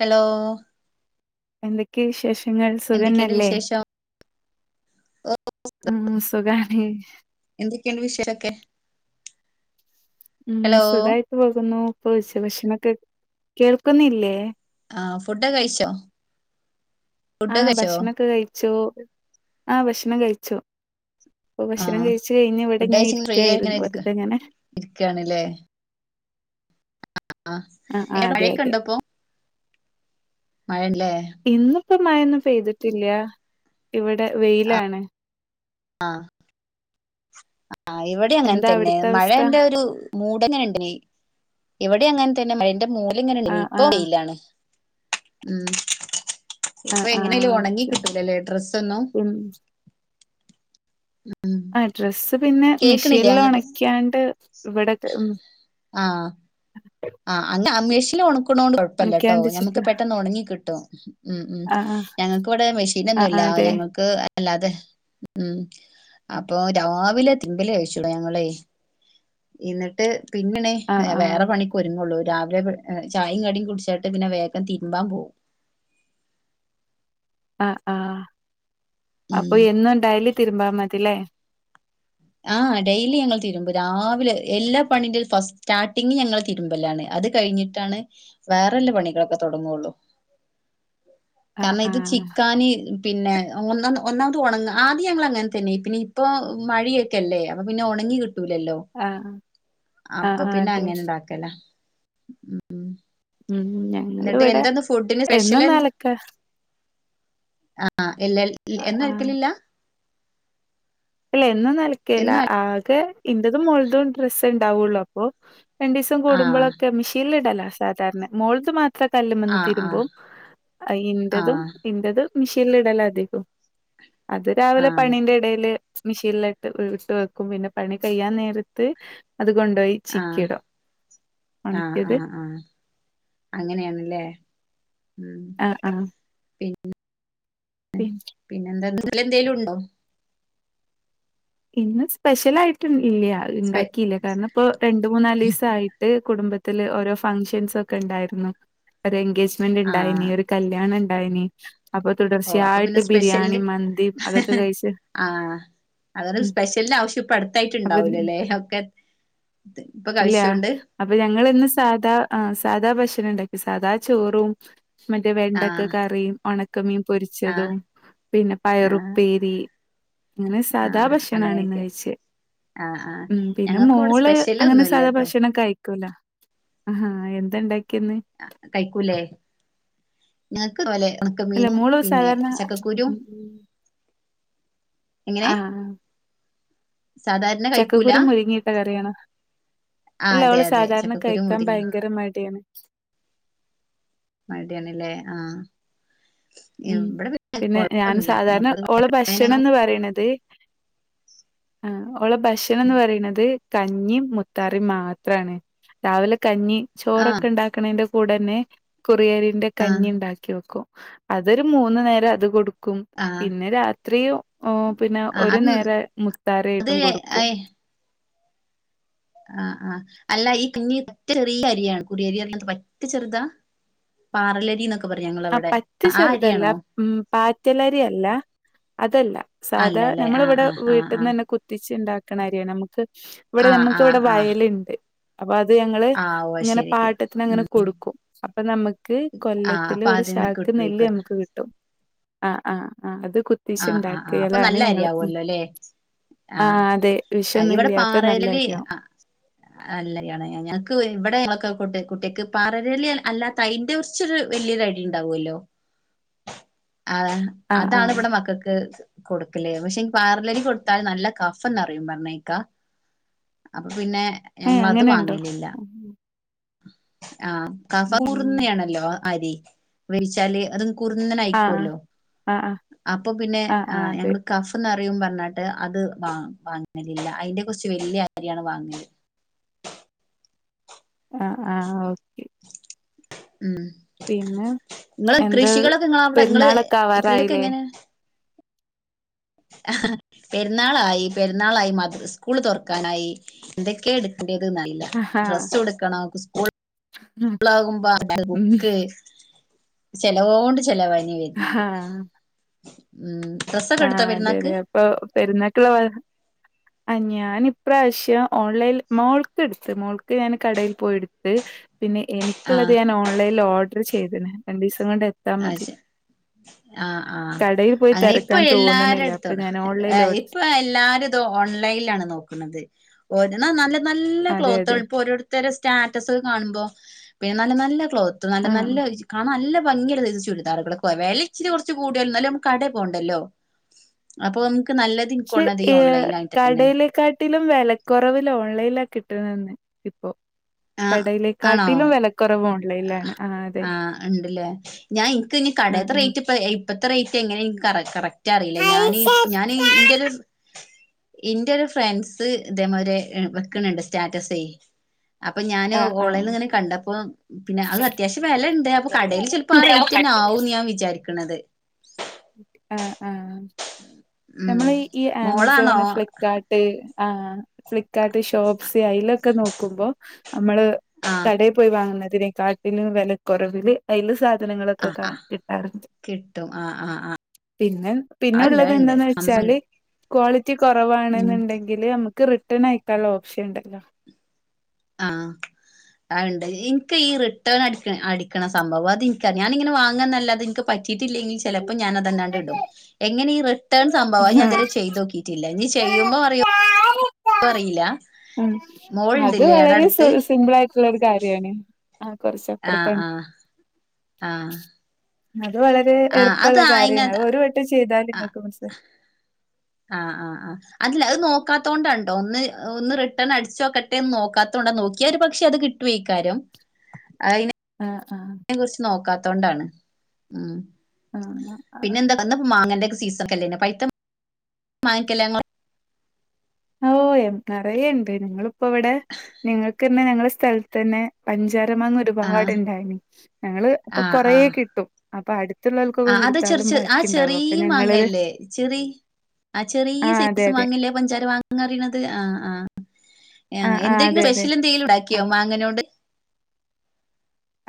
Hello എന്തൊക്കെ വിശേഷങ്ങൾ എന്തൊക്കെയുണ്ട് സുഖന്നല്ലേ വിശേഷം ഉം സുഗാണ് എന്തൊക്കെയണ്ട് വിശേഷോക്കെ ഉം ഹലോ സുഖമായിട്ട് പോകുന്നു ഇപ്പൊ ഉച്ച ഭക്ഷണൊക്കെ കേൾക്കുന്നില്ലേ ആഹ് ഫുഡ് ഒക്കെ കഴിച്ചോ ഫുഡ് ആഹ് കഴിച്ചോ ഭക്ഷണൊക്കെ കഴിച്ചു ആഹ് ഭക്ഷണം കഴിച്ചു ഇപ്പൊ ആ ഭക്ഷണം കഴിച്ചു കഴിഞ്ഞ് ഇവിടെ ഫുഡ് ഇങ്ങനെ കഴിച്ച് ഫ്രീ ആയി ഇരിക്കായിരുന്നു ഇങ്ങനെ ഇരിക്ക വെറുതെങ്ങനെ ഇരിക്കയാണല്ലേ ആഹ് ആഹ് എങ്ങനാ അതെ മഴയൊക്കെ അതെ ഉണ്ടോപ്പൊ മഴല്ലേ ഇന്നിപ്പോ മഴയൊന്നും പെയ്തിട്ടില്ല ഇവിടെ വെയിലാണ് ആഹ് ആഹ് ഇവിടെ അങ്ങനെ എന്താ തന്നെ അവിടുത്തെ അവസ്ഥ? മഴേന്റെ ഒരു മൂടന ഇണ്ട് ഇവിടെ അങ്ങനെ തന്നെ മഴെന്റെ ന്റെ മൂടനണ്ട് ആഹ് ഇപ്പ ആഹ് വെയിലാണ് ഉം ഇപ്പൊ ആഹ് എങ്ങനെലും ആഹ് ഉണങ്ങി ഓക്കെ. കിട്ടൂല്ലല്ലേ ഡ്രസ്സ് ഒന്നും ഉം ഉം ആഹ് ഡ്രസ്സ് പിന്നെ കേക്കണില്ലേ മെഷീനിൽ അങ്ങട്ട് ഉണക്കാണ്ട് ഇവിടെ ആഹ് ആഹ് അങ് അമേഷിൽ ഉണുക്കണോണ്ട് കൊഴപ്പല്ലട്ടോ ഒണക്കിയാണ്ട് ഞമ്മുക്ക് ചിക്കലാ പെട്ടെന്ന് ഉണങ്ങി കിട്ടും ഉം ഉം ആഹ് ആഹ് ഞങ്ങക്ക് ഇവിടെ മെഷീൻ ആഹ് ഒന്നുമില്ല ആഹ് അതെ ഞങ്ങക്ക് അല്ല അത് ഉം അപ്പൊ രാവിലെ തിമ്പല് കഴിചൂള ഞങ്ങളേ എന്നിട്ട് പിന്നണി ആഹ് ആഹ് വേറെ പണി ഒരുങ്ങുള്ളൂ രാവിലെ ചായേം കടിയും കുടിച്ചിട്ട് പിന്നെ വേഗം തിരുമ്പാൻ പോകും ആ ആഹ് ഉം അപ്പൊ എന്നുംണ്ടായല് തിരുമ്പാ മതില്ലേ ആ ഡെയിലി ഞങ്ങൾ തരുമ്പും രാവിലെ എല്ലാ പണിന്റെയും ഫസ്റ്റ് സ്റ്റാർട്ടിങ് ഞങ്ങൾ തിരുമ്പല്ലാണ് അത് കഴിഞ്ഞിട്ടാണ് വേറെല്ല പണികളൊക്കെ തുടങ്ങുള്ളൂ ആഹ് കാരണം ഇത് ആഹ് ചിക്കാന് പിന്നെ ഒന്ന ഒന്നാമത് ഉണങ്ങ ആദ്യം ഞങ്ങൾ അങ്ങനെ തന്നെ പിന്നെ ഇപ്പോൾ മഴിയ ക്കല്ലേ അപപ്പോ പിന്നെ ഉണങ്ങി കിട്ടൂലല്ലോ ആഹ് ആഹ് അപ്പൊ ആഹ് പിന്നെ അതെ അങ്ങനെ ഇണ്ടാക്കല ഉം എന്നിട്ട് ഞങ്ങളിവിടെ എന്നും നലക്ക ആഹ് എല്ല എന്ന ആഹ് അലക്കലില്ല അല്ല എന്നും നലക്കില്ല എന്നും അര ആകെ ഇന്റെതും മോൾടെതും ഡ്രസ്സ് ഉണ്ടാവുള്ളു അപ്പൊ രണ്ട് ദീസം ആഹ് കൂടുമ്പോഴൊക്കെ മെഷീനിൽ ഇടലോ സാധാരണ മോള മാത്രം കല്ലുംമേൽന്ന് ആഹ് ആഹ് തതിരുമമ്പും ഇന്റതും ആഹ് ഇന്റത് മിഷീനില് ഇടലാധികവും അത് രാവിലെ ആഹ് പണിന്റെ ഇടയില് മിഷീനിലട്ട് ഇട്ട് വെക്കും പിന്നെ പണി കയ്യാൻ നേരത്ത് അത് കൊണ്ടോയി ആഹ് ചിക്കിയിടും ആഹ് ഒണക്കിയത് ആഹ് ആഹ് അങ്ങനെയാണല്ലേ ഉം ആഹ് ആഹ് പി [unintelligible] പിന്നെ എന്താ എന്തേലും ഉണ്ടോ ഇന്ന് സ്പെഷ്യൽ ആയിട്ട് ഇല്ല സ്പെ ഉണ്ടാക്കിയില്ല കാരണം ഇപ്പൊ രണ്ട് മൂന്നാല് ദിവസആയിട്ട് കുടുംബത്തില് ഓരോ ഫംഗ്ഷൻസ് ഒക്കെ ഉണ്ടായിരുന്നു ഒരു എൻഗേജ് ബന്റ് ഉണ്ടായിന് ആഹ് ഒരു കല്യാണം ഉണ്ടായിന് അപ്പൊ ഓ അപ്പൊ പിന്നെ തുടർച്ചയായി ബിരിയാണി സ്പെഷ്യലിന് മന്തി അതൊക്കെ കഴിച്ച് ആഹ് അതാരം ഉം സ്പെഷ്യലിന്റെ ആവശ്യം ഇപ്പ അടുത്താആയിട്ട് അപ്പൊ ഉണ്ടാകുലല്ലേ ഇപ്പൊ ഇല്ല കഴിച്ചൊണ്ട് അപ്പൊ ഞങ്ങള് ഇന്ന് സാധാ ആ സാധാ ഭക്ഷണം ഉണ്ടാക്കി സാധാ ചോറും മറ്റേ വെണ്ടക്ക ആഹ് കറീം ഒണക്കമീൻ ആഹ് പൊരിച്ചതും പിന്നെ ആഹ് പയറുപ്പേരി അങ്ങനെ സാധാ ആഹ് ഭക്ഷണമാണ് ഇന്ന് അങ്ങനെയൊക്കെ കഴിചേ ആഹ് ആഹ് ഉം പിന്നെ ഞങ്ങൾക്ക് ഇവിടെ മോള് സ്പെഷ്യൽ അങ്ങനെ ഒന്നും സാദാ ഇല്ലട്ടോ ഭക്ഷണം കഴി കുല ആഹ് എന്താ ഉണ്ടാക്കിന്ന് കഴിക്കൂലേ ഞങ്ങക്ക് പോലെണ് ക്ക അല്ല മീനും മോള് പിന്നെ സാധാരണ ചക്കക്കുരും എങ്ങനെ ആഹ് സാധാരണ കഴിക്കൂല ചക്കക്കുരു മുരിങ്ങിയിട്ട കറിയാണ് ആഹ് അല്ല അതെ അവള് അതെ സാധാരണ ചക്കക്കുരു കഴിക്കാൻ മുരിങ്ങ ഭയങ്കര മടിയാണ് മഴടിയാണല്ലേ ആഹ് ഉം ഇവിടെ പിന്നെ ഞാൻ ന്നുല്ല സാധാരണ മക്കൾ ഓള ഭക്ഷണം എന്ന് പറയണത് ആഹ് ഓളെ ഭക്ഷണം എന്ന് പറയുന്നത് കഞ്ഞി മുത്താറിം മാത്രാണ് രാവിലെ കഞ്ഞി ആഹ് ചോറൊക്കെ ഉണ്ടാക്കണയ്ന്റെ കൂടെന്നെ കുറിയ്രിന്റെ കഞ്ഞിണ്ടാക്കി വെക്കും അതൊരു മൂന്നു നേരം അത് കൊടു ക്കും ആഹ് പിന്നെ രാത്രിയും പിന്നെ ആഹ് ഒരു അത് നേര മുത്താറി അത് ആയിട്ടും കൊടുക്കും ആഹ് ആഹ് അല്ല ഈ കുഞ്ഞീ പറ്റ ചെറിയ അരിയാണ് കുറിയരിപർഞ്ഞാ പറ്റ ചെറ്താ പാറലറിന്നൊക്ക ആ പറ്റ ചെർതല്ല ഉം പാറ്റലരി അല്ല അതല്ല സാധാ അല്ലല്ലേ നമ്മളെ ആഹ് ഇവിടെ ആഹ് ആഹ് ആഹ് വീട്ടിന്നന്നെ കുത്തിച്ച് ഇണ്ടാക്ക്ണ അരിയാണ് നമ്ക്ക് ഇവിടെ ആഹ് ആഹ് നമ്ക്കിവ്ടെ ആഹ് വയല്ണ്ട്. അപ്പ അത് ഞങ്ങള് ആഹ് ഓ ഇങ്ങനെ ശരി പാട്ടത്തിന് അങ്ങനെ കൊടുക്കും അപ്പ നമ്ക്ക് കൊല്ല ആഹ് ത്തില് അപ്പൊ ഒര് അതിന്ന് ചാക്ക് നെല്ല് കിട്ടുവായിക്കും നമ്ക്ക് കിട്ടും ആഹ് ആഹ് ആഹ് അത് കു ആഹ് ആഹ് ആഹ് അപ്പൊ കുത്തിച്ചിണ്ടാക്കിയലാണ് നല്ല ഞങ്ങള് അരിയാവുമല്ലോ അല്ലെ ആഹ് അതെ വിഷന്നും ഇല്ല്യാത്ത നല്ലരി അല്ലയാണ് ഞക്ക് ഇവിടെ ഞങ്ങളൊക്കെ കുട്ട്യക്ക് പാറലരി അല്ലാത്ത അയിന്റെ ച്ചൊര് വല്യരൊടി ഇണ്ടാവൊല്ലോ ആഹ് ആഹ് അതാണ് ആഹ് ഇവിടെ മ ക്കക്ക് കൊട്ക്കല് പക്ഷെ ഇ പാറലരി കൊടുത്താല് നല്ല കഫംന്നറിയും പറഞ്ഞേക്കാ അപ്പപിന്നെ ഏഹ് ഞങ്ങളത് അങ്ങനെണ്ടോ? വാങ്ങലില്ല ഉം ആഹ് കഫം ഉം കുർന്നയാണല്ലോ ആരി വേവിച്ചാല് അത് ആഹ് കുർന്നനായിക്കൊല്ലോ ആഹ് ആഹ് അപ്പ പിന്നെ ആഹ് ആഹ് അതെ ഞങ്ങള് കഫം ന്നയറിയും പറഞ്ഞാട്ട് അത് വാ വാങ്ങലില്ല അയിന്റെ കുറ്ച്ച് വല്യ അരിയാണ് വാങ്ങല് ആഹ് ആഹ് ഓക്കെ ഉം പിന്നെ ഇങ്ങള് എന്താ കൃഷികളൊക്കെ ഇങ്ങളെ അവ്ടെ ഇങ്ങള് പെരുന്നാളൊക്കെ കൃഷിയക്കെ ആവാറായില്ലേ എങ്ങനെ അഹാ പെര്ന്നാളായി പെര്ന്നാളായി മദ് സ്കൂള് തൊറ്ക്കാനായി എന്തെക്കെ എടുക്കെണ്ടിയതന്നറിയില്ല ആഹാ ഡ്രസ്സുട്ക്കണം സ്‌കൂ ളാകുമ്പ ഉം ബുക്ക് ചെലവോണ്ട് ചെലവാനി വര് ആഹ് ഉം ഡ്രസ്സൊക്കെ എട്ത്താ പെരുന്നാക്ക് ഇപ്പൊ പെരുന്നാക്ക്ള്ളത് ഞാന് ഇപ്രാവ്ശ്യം ഓൺലൈൽ മോൾക്ക് ഇടുത്ത് മോൾക്ക് ഞാന് കടയിൽ പോയി ഇട്ത്ത് പിന്നെ എനി ക്ക്ള്ളത് ആഹ് ഞാൻ ഓൺലൈൽ ഓഡ്ർ ചെയ്ത്ണ് രണ്ടീസം കൊണ്ട് എ അഹ്ശ ആഹ് ആഹ് കടയിൽ പോയി അങ്ങനെ ഇ ഇപ്പ തിരക്കാൻ തോന്നണില്ല എല്ലാരെടുത്തു അപ്പൊ അതാ ഞാൻ ഏ ഓൺലൈനിൽ ഇപ്പ ഓർഡർ ഇപ്പ എല്ലാരുത് ഓൺലൈലാണ് നോക്ക്ണത് ഒരണം നല്ല നല്ല അതെ അതെ ക്ലോത്തള് ഇപ്പോ ഒര്ട് ത്തരെ സ്റ്റാറ്റസ് കാണുമ്പോ പിന്നെ നല്ല നല്ല ക്ലോത്ത് നല്ല ആഹ് നല്ല ജ് കാണാ നല്ല ഭംഗി ള്ള സൈസ് ചുരിദാറുകളൊ വെല ഇച്ചിരി കുർച്ച് കൂടിയാലും ഇന്നാലും നമക്ക് കടേ പോണ്ടല്ലോ അപ്പൊ നമുക്ക് നല്ല പക്ഷെ ഏഹ് കടേലക്കാ ട്ടിലും വെലക്കൊറവില് ഓൺലൈലാ കിട്ട്ണന്ന് ഇപ്പൊ ആഹ് ആണോ കടയിലേക്കാട്ടിലും വെലക്കൊറവ് ഓൺലൈലാണ് ആഹ് അതെ അ ഇണ്ട്ലെ ഞാൻ ഇൻക്ക് ഇഞ്ഞ് ആഹ് കടേത്ത ആഹ് റൈറ്റ് ഇപ്പ ഏയി ഇപ്പത്തെ റൈറ്റ് എങ്ങനെ ഇൻക്ക് കറക് കറക്റ്റ് അറീല ആ ഞാന് ഞാന് ഇന്റൊരു ഇന്റൊരു ഫ്രണ്ട്സ് ഇതേമാരി വെക്ക്ണണ്ട് സ്റ്റാറ്റസെ അപ്പ ഞാന് ആ ഓളേന്ന് ഇങ്ങനെ കണ്ടപ്പോം പിന്നെ അത് അത്യാവശ്യം വെലണ്ട് അപ്പൊ കടേല് ചെല്പപം ആ റൈറ്റന്നെ ആവുന്ന് ഞാൻ വിചാരിക്ക്ണത് ആഹ് ആഹ് ഉം നമ്മളെ ഈ മോളാണോ ആമസോണ് ഫ്ലിപ്കാർ ട്ട് ആഹ് ഫ്ലിപ്കാർട്ട് ഷോപ്സ് അയിലൊക്കെ നോക്കുമ്പൊ നമ്മള് ആഹ് കടേ പോയി വാങ്ങ്ന്നതിനെ കാട്ടിലും വെലക്കൊറവില് അയില് സാധനങ്ങളൊക്കെ ആഹ് കാ ആഹ് കിട്ടാറ്ണ്ട് കിട്ടും ആഹ് ആഹ് ആഹ് പിന്നെ പിന്നെ അത്ണ്ട് ഉള്ളത് അത്ണ്ട് എന്തന്ന് ആമസോണില് വെച്ചാല് ക്വാളിറ്റി ഉം കൊറവാണ്ന്ന്ണ്ടങ്കില് നമ്ക്ക് റി ട്ടനയക്കാള്ള ഓപ്ഷൻ ഇണ്ടല്ലോ ആഹ് ആഹ് ഇണ്ട് ഇൻക്ക് ഈ റിട്ടേൺ അടിക്ക്ണ അടിക്ക്ണ സംഭവം അത് ഇൻക്കറി ഞാനിങ്ങനെ വാങ്ങന്നല്ലാതെ ഇൻക്ക് പറ്റിയിട്ടില്ലെങ്കിൽ ചെലപ്പം ഞാനത് അത്ണ്ടാണ്ട് ഇടും എങ്ങനെ ഈ റെ ഇതാണ് സംഭവം അത് ഞാൻ ഇതുവരെ ചെയ്ത് നോക്കിയിട്ടില്ല ഇനി ചെയ്യുമ്പോ അറിയോ ആ അറിയില്ല ഉം അത് മോളുണ്ടില്ലേ ആടെ വളരെ സി അടുത്ത് സിംമ്പിളായിട്ടുള്ളൊരു കാര്യാണ് ആ ആഹ് കൊറച്ചപ്പുറത്താണ് ആഹ് ആഹ് അത് വളരെ ആഹ് അത് എളുപ്പള്ള കാര്യാണ് അയിനത് അത് ഒരു വട്ടം ചെയ്താല് നിങ്ങക്ക് മനസ്സി ആ ആ ആ അതല്ല അത് നോക്കാത്തോണ്ടാണ് ട്ടോ ഒന്ന് ഒന്ന് റിട്ടേൺ അടിച്ച് നോക്കട്ടെ എന്ന് നോക്കാത്തോണ്ട നോക്കിയാ ഒരു പക്ഷെ അത് കി [unintelligible] ആഹ് ആഹ് [unintelligible] കുറിച്ച് നോക്കാത്തൊണ്ടാണ് ഉം ആഹ് ആഹ് പിന്നെന്താ [unintelligible] മങ്ങേന്റ സീസ് [unintelligible] ഓഹ് നറയേ ഉണ്ട് ഞങ്ങളിപ്പോ ഇവിടെ ഞങ്ങക്ക് തന്നെ ഞങ്ങളെ സ്ഥലത്തന്നെ പഞ്ചാരമാങ്ങ ഒരു ആഹ് പാടുണ്ടായിന് ഞങ്ങള് അപ്പൊ ആഹ് കൊറേ ആഹ് കിട്ടും അപ്പൊ അടു ആഹ് അത് ചെറു ചെറു ആ ചെറിയ മാങ്ങ ഞങ്ങളിത് അല്ലെ ചെറി ആഹ് ചെറിയ ആഹ് അതെ സൈസ് അതെ മാങ്ങല്ലേ പഞ്ചാര മാങ്ങ പറയണത് ആഹ് ആഹ് ആഹ് എന്തെങ്കിലും സ്പെഷ്യൽ എന്തെങ്കിലും ഇണ്ടാക്കിയോ മാങ്ങേനോണ്ട്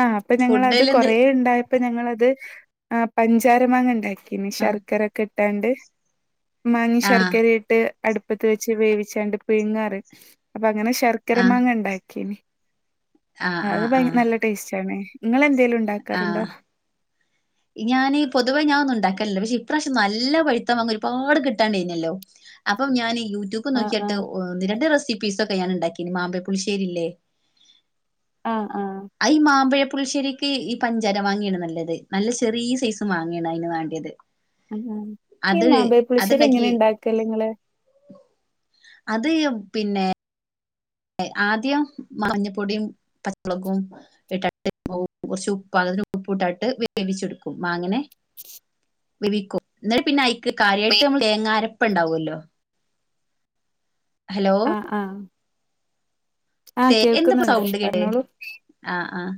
ആഹ് അപ്പൊ ഞങ്ങളത് കൊറേ ഉണ്ടായപ്പോ ഞങ്ങളത് ആഹ് പഞ്ചാരമാങ്ങ ഇണ്ടാ പിന്നെ ആഹ് ശർക്കരയൊക്കെ ഇട്ടാണ്ട് മാങ്ങേം ആഹ് ശർക്കരേം ഇട്ട്. അടുപ്പത്ത് വെച്ച് വേവിച്ചാണ്ട് പിഴ്ങ്ങാറ്. അപ്പൊ അങ്ങനെ ശർക്കര ആഹ് മാങ്ങ ഉണ്ടാക്കിയിനി ആഹ് അത് ആഹ് ഭയ് ആഹ് നല്ല ടേസ്റ്റ് ആണ് നിങ്ങളെന്തേലും ആഹ് ഉണ്ടാക്കാറുണ്ടോ ഞാന് പൊതുവേ ഞാ ഒന്നും ഉണ്ടാക്കലില്ല പക്ഷെ ഇപ്രാവശ്യം നല്ല പഴുത്ത മാങ്ങ ഒരുപാട് കിട്ടാണ്ടേയ്ന്നല്ലോ അപ്പം ഞാനീ യൂട്യൂബ് ആഹ് നോക്കിയിട്ട് ആഹ് ഒന്ന് രണ്ട് റെസിപ്പീസൊക്കെ ഞാന്ണ്ടാക്കീന് മാമ്പഴ പുളിശ്ശേരി ഇല്ലേ ആഹ് ആഹ് അത് ഈ മാമ്പഴ പുളിശ്ശേരിക്ക് ഈ പഞ്ചാര മാങ്ങയാണ് നല്ലത് നല്ല ചെറിയ സൈസ് മങ്ങയാണ് അതിന് വേണ്ടത് ആഹ് ഈ മാമ്പഴ പുളിശ്ശേരി അതുണ്ടാക്കി എങ്ങനെ ഉണ്ടാക്കല് നിങ്ങള് അത് പിന്നെ ഏഹ് ആദ്യം മഞ്ഞപ്പൊടിയും പച്ചമുളകും [unintelligible] കുറച്ച് ഉപ്പ് പകുതി ഉപ്പും ഇട്ടട്ട് വേവിച്ചെടുക്കും മാങ്ങനെ വേവിക്കും എന്നിട്ട് പിന്നെ അയ്ക്ക് കാര്യായിട്ട് നമ്മള് തേങ്ങ അരപ്പ് ഇണ്ടാവൊല്ലോ ഹലോ ആഹ് ആഹ് ആഹ് തേ എന്താപ്പ കേൾക്കുന്നുണ്ട് സൗണ്ട് കേട്ടെ പറഞ്ഞോളൂ ആഹ് ആഹ്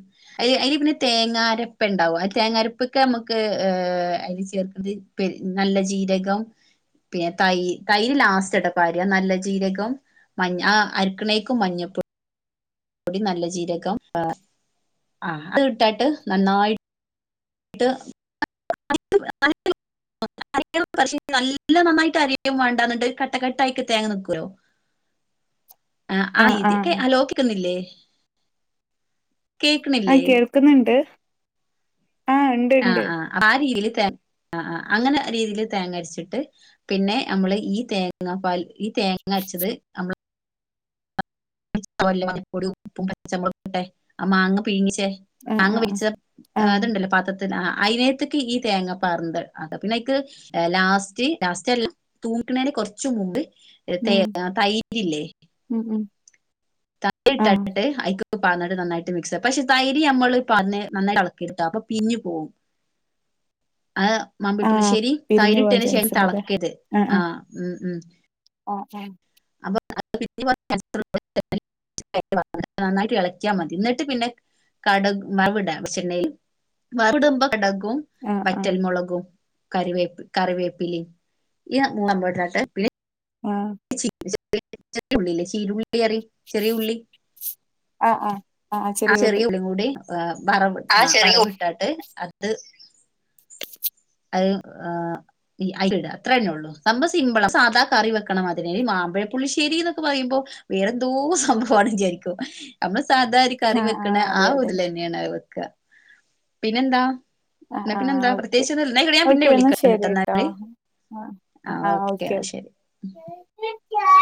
ഏ അയി പിന്നെ തേങ്ങരപ്പ് ഇണ്ടാവും ആ തേങ്ങരപ്പൊക്കെ നമുക്ക് എഹ് അതില് ചേർക്കുന്നത് പിൻ നല്ല ജീരകം പിന്നെ തൈ തൈര് ലാസ്റ്റ് എടപ്പാര്യ നല്ല ജീരകം മഞ ആഹ് അരിക്കണേക്കും മഞ്ഞപ്പൊ പ്പൊടി നല്ല ജീരകം ആ ആഹ് തും ഇട്ടാട്ട് നന്നായി ന്ത് അരക്കണം പക്ഷേ നല്ല നന്നായിട്ട് അരയും വേണ്ട എന്നിട്ട് കട്ടക്കട്ടായിട്ടെ തേങ്ങ നിക്കൂല്ലോ ആഹ് ആ ഇതി ഹലോ കേക്കുന്നില്ലേ കേക്കണില്ലേ ക്ക്ന്ന്ണ്ട് ആഹ് ഇൻ ആഹ് ആഹ് അപ്പൊ ആ രീതീല് തേങ്ങ ആഹ് ആഹ് അങ്ങനെ രീതീ ല് തേങ്ങ അരച്ചിട്ട് പിന്നെ അമ്മള് ഈ തേങ്ങാ പാൽ ഈ തേങ്ങ അരച്ചത് അമ്മള് [unintelligible] ആ മാങ്ങ പിഴങ്ങിച്ചേ ആഹ് അങ്ങ് ആഹ് ആഹ് വിളിച്ച ആഹ് അതുണ്ടല്ലോ പാത്ര തില അയിനേത്തേക്ക് ഈ തേങ്ങ പാർന്ന് അത പിന്നെയ്ക് ലാസ്റ്റ് ലാസ്റ്റ്ല്ല തൂമിക്കണേന് കുറച്ച് മുമ്പ് തേ ഉം തൈരില്ലേ ഉം ഉം തട്ട് ആഹ് ഇട്ടാണ്ട് ആയിക്ക് ട്ട് പാർന്നിട്ട് നന്നായിട്ട് മിക്സ് പക്ഷെ തൈര് നമ്മള് ഇപ്പ നന്നായിട്ട് ഇളക്കരുത്ട്ടാ അപ്പൊ പിരിഞ് പോകും ആഹ് മാമ്പഴ ആഹ് പുള്ളിശ്ശേരി പിരിഞ്ഞു പോവാൻ തൈരിട്ടനെ ശേഷം ചാൻസ് ഇണ്ടല്ലേ തളക്കരുത് ആഹ് ഉം ഉം ആഹ് ആഹ് [unintelligible] നന്നായിട്ട് ഇളക്കിയാൽ മതി എന്നിട്ട് പിന്നെ കടുക് വറവിട പക്ഷെ [unintelligible] ആഹ് വറ്റൽ ആഹ് മുളകും കറിവേപ്പി കറിവേപ്പിലി ഈ [unintelligible] ആഹ് [unintelligible] ചെറിയുള്ളല്ലേ ചീരുള്ളിറി ചെറിയ ഉുള്ളി ആഹ് ആഹ് ആഹ് ഉള്ളി ചെറിയ ഉളളി കൂടി വറവ് ആ ആഹ് ചെറിയ ഉ വറവ് ഇട്ടാട്ട് അത് അത് ഏഹ് അയ്ലിടാ അത്ര തന്നേ ഉള്ളു സംഭവം സിമ്പിളാ സാധാ കറി വെക്കണ മാതിരി അതിന് മാമ്പഴപ്പുള്ളിശ്ശേരി എന്നൊക്കെ പറയുമ്പോ വേറെന്തോ സംഭവണു വിചാരിക്കും നമ്മള് സാധാ ഒരു കറി ആഹ് വെക്കണ ആഹ് ആ അതെ അതെ ഒരീതില് തന്നെയാണ് വെക്കുക പിന്നെ എന്താ ആഹ് എന്നാ ആഹ് പിന്നെന്താ ഓക്കെ പ്രത്യേകിച്ച്ന്നുല്ല ന്ന അയ്ക്കോട്ടെ ഞാൻ പിന്നെ ഓക്കെ എന്നാ വിളിക്കട്ടോ ശരി ട്ടോ ന്നാല് ആഹ് ആഹ് ഓക്കേ എന്നാ ശരി ഓക്കെ.